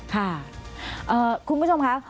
ค่ะคุณผู้ชมค่ะ